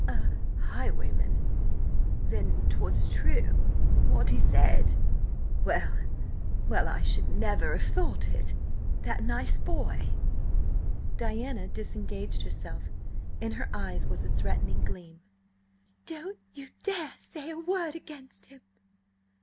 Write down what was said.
"A highwayman! Then 'twas true what he said? Well, well! I should never have thought it! That nice boy!" Diana disengaged herself; in her eyes was a threatening gleam. "Don't dare say a word against him!"